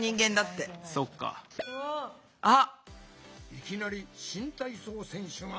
いきなり新体操選手が登場！